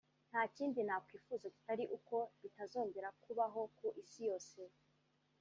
nta kindi nakwifuza kitari uko bitazongera kubaho ku isi yose